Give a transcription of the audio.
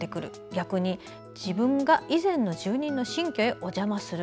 逆に自分が以前の住人の新居へお邪魔する。